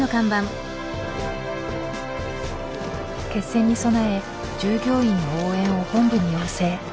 決戦に備え従業員の応援を本部に要請。